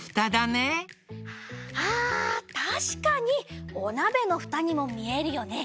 あたしかにおなべのふたにもみえるよね。